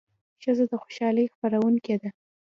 ښځه د خوشالۍ خپروونکې ده.